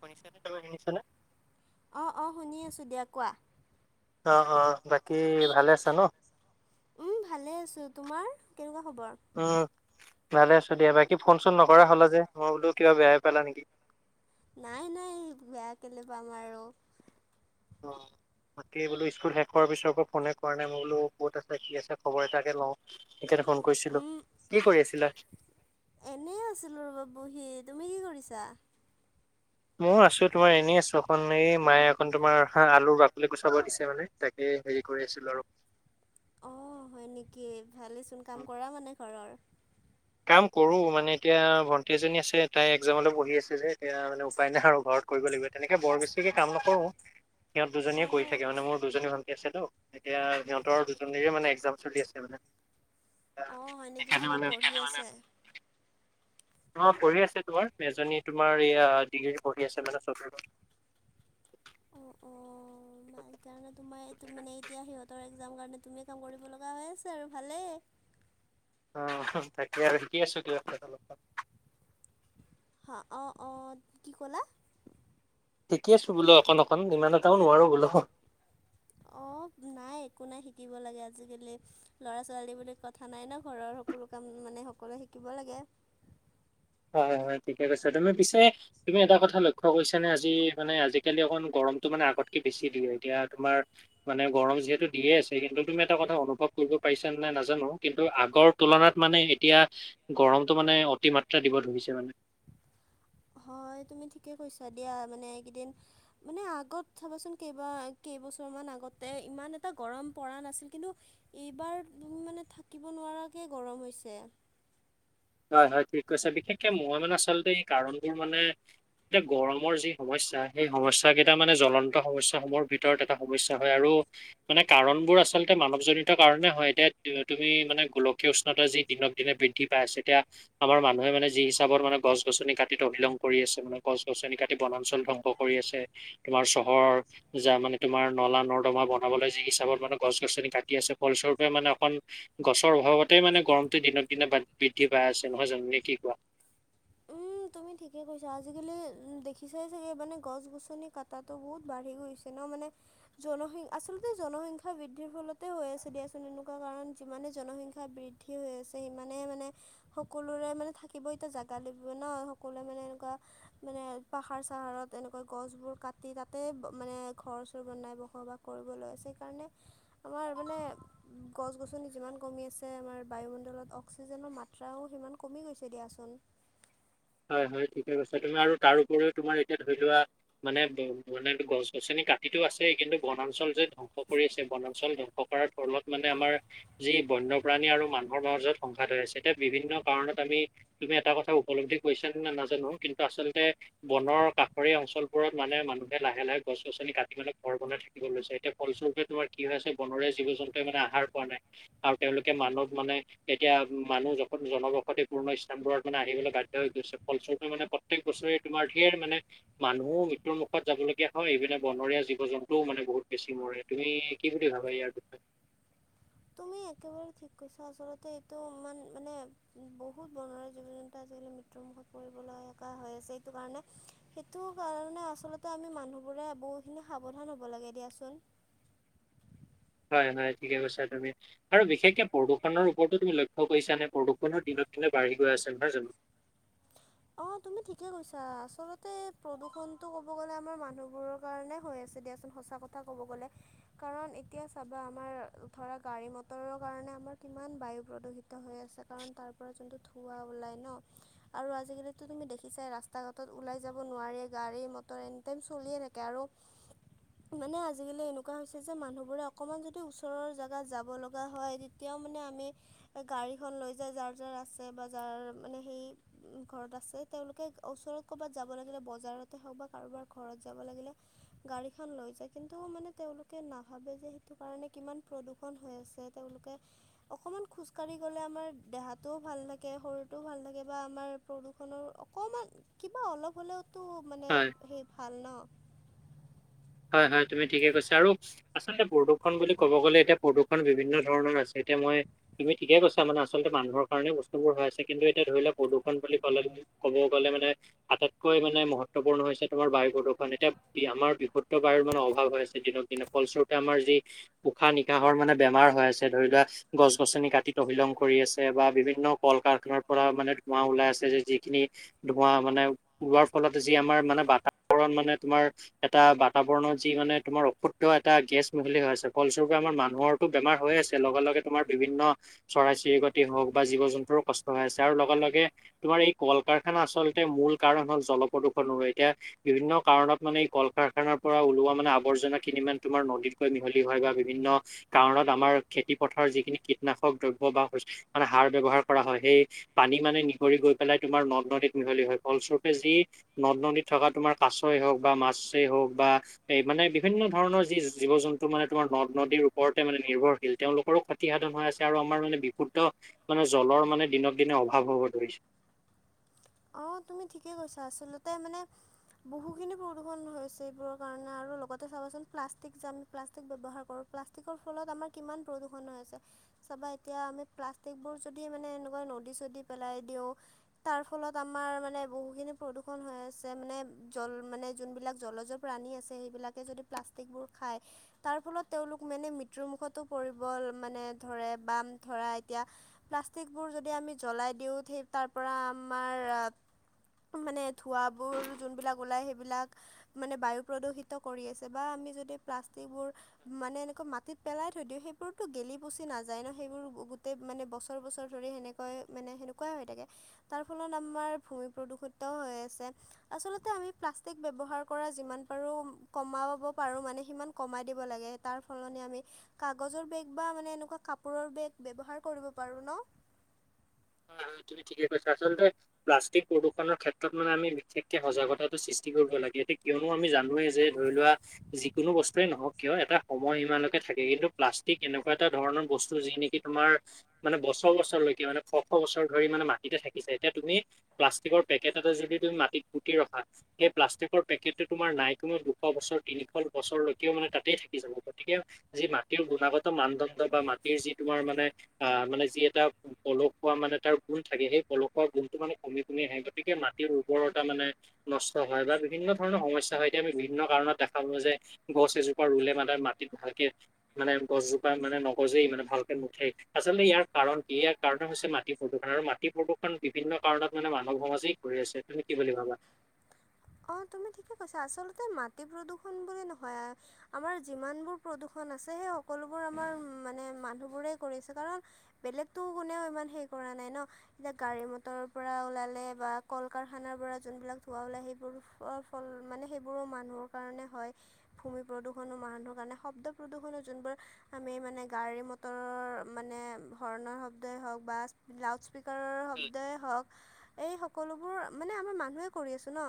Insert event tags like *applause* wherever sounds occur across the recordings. শুনিচা নে তুমি শুনিচানে? অঁ অঁ শুনি আছোঁ দিয়া কোৱা? অঁ অঁ বাকী ভালে আছা ন? উম ভালে আছোঁ তোমাৰ কেনেকুৱা খবৰ? উম ভালে আছোঁ দিয়া বাকী ফোন চোন নকৰা হ'লে যে মই বোলো কিবা বেয়াই পালা নেকি? নাই নাই বেয়া কেলেই পাম আৰু অ। তাকে বোলো স্কুল শেষ হোৱাৰ পিছৰ পৰা ফনে কৰা নাই মই বোলো ক'ত আছা কি আছা খবৰ এটাকে লওঁ। একে দেখোন। উম এনেই আছিলোঁ ৰ'ব বহি তুমি কি কৰিছা? মই আছো তোমাৰ এনেই আছো এখন এই মায়ে এখন তোমাৰ হা আলুৰ বাকলি গুচাব দিছে মানে তাকে হেৰি কৰি আছিলো আৰু অঁ হয় নেকি ভালেইচোন কাম কৰা মানে ঘৰৰ? কাম কৰো মানে এতিয়া ভণ্টি এজনী আছে তাই এক্জামলৈ পহি আছে যে এতিয়া মানে উপায় নাই আৰু ঘৰত। কৰিব লাগিব তেনেকে বৰ বেছিকে কাম নকৰোঁ সিহঁত দুজনীয়ে কৰি অঁ থাকে মানে মোৰ দুজনী ভণ্টি আছেতো। এতিয়া সিহঁতৰ দুজনীৰে মানে এক্জাম চলি আছে মানে। অ হয় নেকি সেইকাৰণে কিবা মানে পঢ়ি আছে? অ পঢ়ি আছে তোমাৰ এজনী তোমাৰয়া ডিগ্ৰী পঢ়ি আছে মানে চতু অ অ ভাল সেইকাৰণে তোমাৰ মানে এতিয়া সিহঁতৰ এ একযাম কাৰণে তুমি কাম কৰিব লগা হৈ আছে আৰু ভালেই। অ তাকেই আৰু শিকি আছো কিবা এটা অলপমান হাঁ অঁ অঁ কি ক'লা শিকি আছো বোলো অকণকণ ইমান এটাও নোৱাৰোঁ বোলো হো অঁ নাই একো নাই শিকিব লাগে আজিকালি ল'ৰা ছোৱালী বুলি কথা নাই ন ঘৰৰ সকলো কাম মানে সকলোৱে শিকিব লাগে হয় হয় ঠিকে কৈছে তুমি পিছে তুমি এটা কথা লক্ষ্য খ গৈছে নে আজি মানে আজিকালি অকণ গৰমতটো মানে আগতকে বেছি দিয়ে এতিয়া তোমাৰ মানে গৰম যিহেতু দিয়ে আছে কিন্তু তুমি এটা কথা অনুভৱ কৰিব পাৰছাে নে নাজানো কিন্তু আগৰ তুলনাত মানে এতিয়া গৰমটো মানে অতিমাত্ৰা দিব ধৰিছে মানে হয় তুমি ঠিকে কৈছা দিয়া মানে এইকেইদিন মানে আগত চাবচোন কেইবা কেইবছৰমান আগতে ইমান এটা গৰম পৰা নাছিল কিন্তু এইবাৰ মানে থাকিব নোৱাৰাকে গৰম হৈছে হয় হয় ঠিক কৈছে বিশেষকে মই মানে আচলতে এই কাৰণবোৰ মানে এতিয়া গৰমৰ যি সমস্যা সেই সমস্যা কেইটা মানে জ্বলন্ত সমস্যাস সমূহৰ ভিতৰত এটা সমস্যা হয় আৰু মানে কাৰণ বোৰ আচলতে মানৱজনিত কাৰণেতে হয় এতিয়া তুমি মানে গোল উষ্ণতা যি দিনক দিনে বৃদ্ধি পাই আছে এতিয়া আমাৰ মানুহে মানে যি হিচাপত মানে গছ গছনি কাটিত অভিলং কৰি আছে মানে গছ গছনি কাটি বনাঞ্চল ধ্বংস কৰি আছে তোমাৰ চহৰৰ য মানে তোমাৰ নলা নৰ্দমা ব বনাবলৈ যি হিচাপত মানে গছ গছনি কাটি আছে ফলসৰূপে মানে অকণ গছৰ অভাৱতেই মানে গৰমতে দিনক দিনে বৃদ্ধি পাই আছে নহয় জানো ন কি কোৱা। উম, *inaudible* তুমি ঠিকে কৈছা আজিকালি দেখিছাই চাগে মানে গছ গছনি কাটাটো বহুত বাঢ়ি গৈছে ন মানে জনসংখ্যা আচলতে জনসংখ্যা বৃদ্ধিৰ ফলতে হৈ আছে দিয়াচোন এনেকুৱা কাৰণ যিমানে জনসংখ্যা বৃদ্ধি। ঠি হৈ আছে সিমানেইে মানে সকলোৰে মানে থাকিব এতিয়া জাগ কালি নহয় সকলোৱে মানে এনেকুৱা মানে পাহাৰ চাহাৰত এনেকুৱা গছবোৰ কাটি তাতে মানে ঘৰ চৰ বনাই বসাবাস কৰিবলৈ আছে সেইকাৰণে আমাৰ মানে গছ গছনি যিমান কমি আছে আমাৰ বায়ুমণ্ডলত অক্সিজেনৰ মাত্ৰাও সিমান কমি গৈছে দিয়াচোন। হয় হয় ঠিকে কৈছো তুমি আৰু তাৰ উপৰিও তোমাৰ এতিয়া ধৰি লোৱা। মানে ব মানে গছ গছনি কাটিতো আছে কিন্তু বনাঞ্চল যে ধংস কৰি আছে বনাঞ্চল ধ্বংস কৰাৰ ফলত মানে আমাৰ যি বন্যপ্ৰাণী আৰু মানুহৰ মাজাজত সংঘাত হৈ আছে এতিয়া বিভিন্ন কাৰণত আমি। তুমি এটা কথা উপলব্ধি কৰিছা নে নাজানো কিন্তু আচলতে বনৰ কাষৰীয়া অঞ্চলবোৰত মানে মানুহে লাহে লাহে গছ গছনি কাটি মেলাই ঘৰ বনাই থাকে। লৈছে এতিয়া ফলস্বৰূপে তোমাৰ কি হয় আছে বনৰে জীৱ জন্তুৱে মানে আহাৰ পোৱা নাই। আৰু তেওঁলোকে মানৱ মানে এতিয়া মানুহ য জনবসতি পূৰ্ণ ইলানবোৰত মানে আহিবলৈ ব গৈছে ফলচৰটো মানে প্ৰত্যেক বছৰে তোমাৰ ধেৰ মানে মানুহো মৃত্যুৰ মুখত যাবলগীয়া হয় ইপিনে বনৰীয়া জীৱ জন্তুও মানে বহুত বেছি মৰে। তুমি কি বুলি ভাবা ইয়াৰ কথা তুমি একেবাৰে ঠিক কৈছা আচলতে এইটো ইমান মানে। বহুত বনৰৰে জীৱ জন্তু আজিকালি মৃত্যুমুখত পৰিবলৈ একা হৈ আছে সেইটো কাৰণে। সেইটো কাৰণে আচলতে আমি মানুহবোৰে বহুখিনি সাৱধান হ'ব লাগে দিয়াচোন। হয় হয় ঠিকে কৈছা তুমি আৰু বিশেষকে প্ৰদূষণৰ ওপৰতো তুমি লক্ষ্য কৰিছা নে প্ৰদূষণৰ দিনত দিনে বাঢ়ি গৈ আছে নহয় জানো। অ', তুমি ঠিকে কৈছা, আচলতে প্ৰদূষণটো ক'ব গ'লে আমাৰ মানুহবোৰৰ কাৰণে হৈ আছে দিয়া সঁচা কথা ক'ব গ'লে কাৰণ এতিয়া চাবা, আমাৰ ধৰা গাড়ী মটৰৰ কাৰণে আমাৰ কিমান বায়ু প্ৰদূষিত হৈ আছে, কাৰণ তাৰ পৰা যোনটো ধৱা ওলাই ন, আৰু আজিকালি টো তুমি দেখিছাই, ৰাস্তা ঘাটত ওলাই যাব নোৱাৰি, গাড়ী মটৰ এনি টাইম চলিয়ে থাকে আৰু *inaudible* মানে আজিকালি এনেকুৱা হৈছে যে মানুহবোৰে অকণমান যদি ওচৰৰ জেগাত যাব লগা হয়, তেতিয়াও মানে আমি গাড়ীখন লৈ যায়, যাৰ যাৰ আছে বা যাৰ মানে সেই, ঘৰত আছে। এই তেওঁলোকে ওচৰত ক'ৰবাত যাব লাগিলে বজাৰতে হওক বা কাৰোবাৰ ঘৰত যাব লাগিলে গাড়ী খন লৈ যায়, কিন্তু মানে তেওঁলোকে নাভাবে যে সেইটো কাৰণে কিমান প্ৰদূষ ষণ হৈ আছে, তেওঁলোকে অকণমান খোজকাঢ়ি গ'লে আমাৰ দেহাটোও ভাল, লাকে শৰীৰটোও ভাল থাকে, বা আমাৰ প্ৰদু খনৰ অকণমান, কিবা অলপ হ'লেওতো মানে হয়। সেই ভাল ন। হয় হয় তুমি ঠিকে কৈছা আৰু আচলতে প্ৰদূৰ্ষণ বুলি ক'ব গ'লে এতিয়া প্ৰদূৰ্ষণ বিভিন্ন ধৰণৰ আছে এতিয়া মই তুমি ঠিকেছা মানে আচলতে মানুহৰ কাৰণে বসুৰ হৈ আছে কিন্তু এতিয়া ধৰিলে প্ৰদূষ বুলি কলে তুমি ক'ব গ'লে মানে আটাইতকৈ মানে মহত্বপূৰ্ণ হৈছে তোমাৰ বায়ু প্ৰদূৰণ এতিয়া আমাৰ বিহুত টো মানে অভাৱ হৈ আছে দিনক দিনে ফলস্বৰূপে আমাৰ যি উশাহ নিশাহৰ মানে বেমাৰ হয় আছে, ধৰি লোৱা, গছ গছনি কাটি তহিলং কৰি আছ। চে বা বিভিন্ন কল কাৰখানাৰ পৰা মানে ধোৱা ওলাই আছে যে যিখিনি ধোৱা মানে ওলোৱাৰ ফলত যি আমাৰ মানে বাতাবৰণ মানে তোমাৰ এটা বাত তাবৰণৰ যি মানে তোমাৰ অশুদ্ধ এটা গেছ মিহলি হৈ আছে, ফলস্বৰূপে আমাৰ মানুহৰটো বেমাৰ হৈ আছে লগে লগে তোমাৰ বিভিন্ন চৰাই চিৰিকতি হওক বা জীৱ জন্তুৰো কষ্ট হৈ আছে, আৰু লগে লগে তোমাৰ এই কল কাৰখানা আচলতে মূল কাৰণ হল জল প্ৰদূষণৰোঁ, এতিয়া বিভিন্ন কাৰণত মানে এই কলকাৰ খানাৰ পৰা ওলোৱা মানে আৱৰ্জনা খিনি মান তোমাৰ নদীতকৈ মিহলি হয় বা বিভিন্ন কাৰণত আমাৰ খেতি পথাৰৰ যিখিনি কীটনাশক দ্ৰব্য বা শৈছ মানে সাৰ ব্যয়ৱহাৰ কৰা হয় সেই পানী মানে নিগৰি গৈ পেলাই তোমাৰ নদ নদীত মিহলি হয় ফলস্বৰূপে যি নদ নদীত থকা তোমাৰ কাছই হওক বা মাছেই হওক বা এ' মানে বিভিন্ন ধৰণৰ যি জীৱ জন্তু মানে তোমাৰ নদ নদীৰ ওপৰতে মানে নিৰ্ভৰশীল তেওঁলোকৰো খত তিসাধন হৈ আছে আৰু আমাৰ মানে বিশুদ্ধ মানে জলৰ মানে দিনক দিনে অভাৱ হ'ব ধৰিছে। অ' তুমি ঠিকেই কৈছা, আচলতে মানে বহুখিনি প্ৰদূৰণ হৈছে এইবোৰৰ কাৰণে, আৰু লগতে চাবাচোন প্লাষ্টিক যে আমি প্লাষ্টিক ব্যৱহাৰ কৰো। প্লাষ্টিকৰ ফলত আমাৰ কিমান প্ৰদূষণ হৈ আছে। চাবা এতিয়া আমি প্লাষ্টিকবোৰ যদি মানে এনেকুৱা নদী চদী পেলাই দিওঁ। তাৰ ফলত আমাৰ মানে, বহুখিনি প্ৰদূষণ হৈ আছে, মানে জল, মানে যোনবিলাক জলজ প্ৰাণী আছে, সেইবিলাকে যদি প্লাষ্টিকবোৰ খায় তাৰ ফলত তেওঁলোক মেনে মৃত্যুৰমুখতো পৰিব মানে ধৰে, বাম ধৰা এতিয়া প্লাষ্টিকবোৰ যদি আমি জ্বলাই দিওঁ, থেই তাৰ পৰা আমাৰ আ মানে ধোঁৱাবোৰ যোনবিলাক ওলায়, সেইবিলাক মানে বায়ু প্ৰদূষিত কৰি আছে বা আমি যদি প্লাষ্টিকবোৰ মানে এনেকা মাটিত পেলাই থৈ দিওঁ, সেইবোৰতো গেলি পুচি নাযায় ন, সেইবোৰ গো গোটেই মানে বছৰ বছৰ ধৰি সেনেক কৈ, মানে সেনেকুৱাই হৈ থাকে। তাৰ ফলত আমাৰ ভূমি প্ৰদূষিতও হৈ আছে। আচলতে আমি প্লাষ্টিক ব্যৱহাৰ কৰা যিমান পৰো, কমাবব পাৰো মানে, সিমান কমাই দিব লাগে, তাৰ সলনি আমি কাগজৰ বেগ বা মানে এনেকুৱা কাপোৰৰ বেগ ব্যৱহাৰ কৰিব পাৰো ন। অ' হয়, তুমি ঠিকে কৈছা আচলতে প্লাষ্টিক প্ৰদূষণৰ ক্ষেত্ৰত মানে আমি বিশেষকে সজাগতাটো সৃষ্টি কৰিব লাগে এতি কিয়নো আমি জানোৱে যে ধৰি লোৱা যিকোনো বস্তুয়েই নহওক কিয় এটা সময় ইমানলকে থাকে কিন্তু প্লাষ্টিক এনেকুৱা এটা ধৰণৰ বস্তু যি নি কি তোমাৰ মানে বছৰ বছৰলৈকে মানে শ শ বছৰ ধৰি মানে মাটিতে থাকিছে যায় এতিয়া তুমি প্লাষ্টিকৰ পেকেট এটা যদি তুমি মাটিত পুটি ৰখা সেই প্লাষ্টিকৰ পেকেটটো তোমাৰ নাই কোনো দুশ বছৰ তিনিশ বছৰলৈকেও মানে তাতেই থাকি যাব গতিকে যি মাটিৰ গুণাগত মানদণ্ড বা মাটিৰ যি তোমাৰ মানে আহ মানে যি এটা পলোক পোৱা মানে তাৰ গুণ থাকে সেই পলসুৱা গুণটো মানে কমি কমি আহে গতিকে মাটিৰ উৰ্বৰতা মানে নষ্ট হয় বা বিভিন্ন ধৰণৰ সমস্যা হয় এতিয়া আমি বিভিন্ন কাৰণত দেখা পালো যে গছ এজোপা ৰুলে মানে মাটিত ভালকে মানে গছজোপা মানে নগজেই মানে ভালকে মুঠেই আচলতে ইয়াৰ কাৰণ কি ইয়াৰ কাৰ ন হৈছে মাটি প্ৰদূষণ আৰু মাটি প্ৰদূষণ বিভিন্ন কাৰণত মানে মানৱ সমাজেই কৰি আছে তুমি কি বুলি ভাবা অ তুমি ঠিকে কৈছা আচলতে মাটি প্ৰদূষন বোলি নহয় আমাৰ যিমানবোৰ প্ৰদূষণ আছে সেই সকলোবোৰ আমাৰ মানে মানুহবোৰেই কৰিছে কাৰণ বেলেগতটো কোনেও ইমান হেই কৰা নাই ন। এতিয়া গাড়ী মটৰৰ পৰা ওলালে বা কল কাৰখানাৰ পৰা যোনবিলাক ধোৱা ওলাই সিবিলাক। সেইবোৰ ফ ফল মানে, সেইবোৰো মানুহৰ কাৰণে হয়। ভূমি প্ৰদূৰণো মানুহৰ কাৰণে, শব্দ প্ৰদূষণো যোনবোৰ। আমি মানে গাড়ী মটৰৰ মানে হৰ্ণৰ শব্দই হওঁক বা। লাউড স্পীকাৰৰ শব্দই হওঁক, এই সকলোবোৰ, মানে আমাৰ মানুহেই কৰি আছো ন।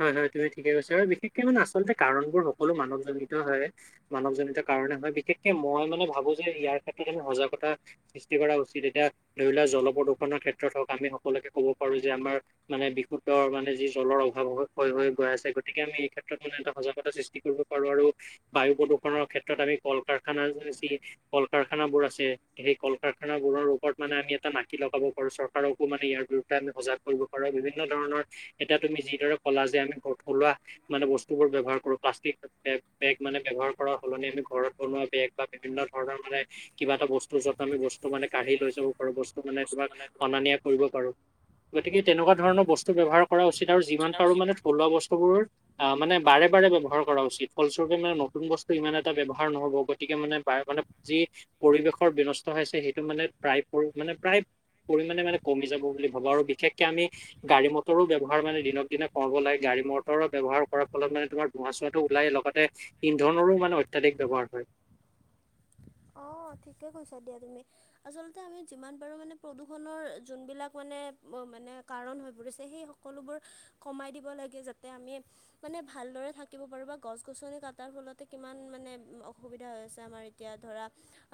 হয় হয় তুমি ঠিকে কৈছা আৰু বিশেষকে মানে আচলতে কাৰণবোৰ সকলো মানৱজনিত হয়। মানৱ জনিতাৰ কাৰণে হয় বিশেষকে মই মানে ভাবোঁ যে ইয়াৰ ক্ষেত্ৰত আমি সজাগতা। সৃষ্টি কৰা উচিত এতিয়া ধৰি লোৱা জল প্ৰদূষণৰ ক্ষেত্ৰত হওঁক আমি সকলোকে ক'ব পাৰো যে আমাৰ। মানে বিশুদ্ধৰ মানে যি জলৰ অভাৱ হয়। হয় হয় গৈ আছে গতিকে আমি এই ক্ষেত্ৰত মানে এটা সজাগতা সৃষ্টি কৰিব পাৰোঁ আৰু। বায়ু প্ৰদূৰণৰ ক্ষেত্ৰত আমি কল- কাৰখানাৰ। কল -কাৰখানা বোৰ আছে সেই কল -কাৰখানা বোৰৰ ওপৰত মানে আমি এটা নাটি লগাব পাৰো চৰকাৰ। আৰু কো মানে ইয়াৰ বিৰুদ্ধে আমি সজাগ কৰিব পাৰো বিভিন্ন ধৰণৰ এটা তুমি যিদৰে। কলা যে আমি থলুৱা মানে বস্তু বোৰ ব্যয়হাৰ কৰো প্লাষ্টিক। বেগ, বেগ মানে ব্যৱহাৰ কৰাৰ সলনি আমি ঘৰত বনোৱা বেগ বা বিভিন্ন ধৰণৰ মানে। কিবা এটা বস্ত যত আমি গছতো মানে কাঢ়ি লৈ যাব পাৰো বস্তু। তোমাক অনা নিয়া কৰিব পাৰো গতিকে তেনেকুৱা ধৰণৰ বস্তু ব্যৱহাৰ কৰা উচিত আৰু। আৰু মানে থলুৱা বস্তুবোৰ। অ মানে বাৰে বাৰে ব্যৱহাৰ কৰা উচিত ফলস্বৰূপে মানে নতুন বস্তু ইমান এটা ব্যৱহাৰ নহ'ব গতিকে মানে বাৰে মানে। যি পৰিৱেশৰ বিনষ্ট হৈছে সেইটো মানে প্ৰায় পৰো মানে প্ৰায়। পৰিমাণে মানে কমি যাব বুলি ভাবো আৰু বিশেষকে আমি গাড়ী মটৰো ব্যৱহাৰ মানে দিনক দিনক। কলব নাই গাড়ী মটৰৰ ব্যৱহাৰ কৰাৰ ফলত মানে তোমাৰ ধোঁৱা -চোৱাটো ওলাই লগতে। ইন্ধনৰো মানে অত্যাধিক ব্যৱহাৰ হয়। অ ঠিকে কৈছা দিয়া তুমি। আচলতে আমি যিমান পাৰোঁ মানে প্ৰদূষণৰ যোনবিলাক মানে মানে। কাৰণ হৈ পৰিছে সেই সকলোবোৰ কমাই দিব লাগে যাতে আমি। মানে ভালদৰে থাকিব পাৰো বা গছ- গছনি কটাৰ ফলতে কিমান মানে অসুবিধা হৈ আছে আমাৰ। এতিয়া ধৰা।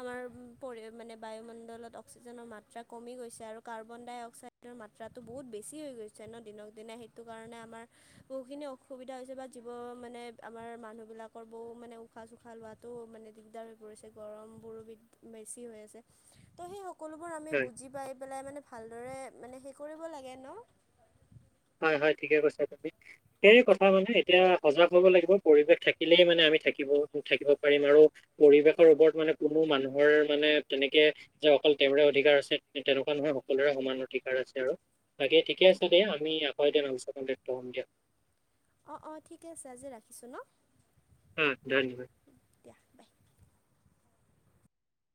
আমাৰ পৰি মানে বায়ুমণ্ডলত অক্সিজেনৰ মাত্ৰা কমি গৈছে আৰু কাৰ্বন -ডাই- অক্সাইড। ৰ মাত্ৰাটো বহুত বেছি হৈ গৈছে ন দিনক দিনানে সেইটো কাৰণে আমাৰ। বহুখিনি অসুবিধা হৈছে বা জীৱ মানে আমাৰ মানুহবিলাকৰ বহু মানে। শুশাহ- চুখাহ লোৱাটো মানে দিগদাৰ হৈ পৰিছে গৰম। বোৰ বেছি সেই সকলোবোৰ আমি হয় বুজি পাইলাই মানে ভাল। দৰে মানে হে কৰিব লাগে ন। হয় হয় ঠিকে কৈছা তুমি। সেই কথা মানে এতিয়া সজাগ হ'ব লাগিব পৰিৱেশ থাকিলেই মানে আমি থাকিব থাকিব পাৰিম আৰু। পৰিৱেশৰ ওপৰত মানে কোনো মানুহৰ মানে তেনেকে। যে অকল তেওঁৰে অধিকাৰ আছে তেনেকুৱা নহয় সকলোৰে সমান অধিকাৰ আছে আৰু। তাকে ঠিকে ঠিক আছে দিয়া আমি আকৌ এদিন দিয়া। অঁ অঁ ঠিকে আছে আজি ৰাখিছোঁ ন। উম ধন্যবাদ। দিয়া বাই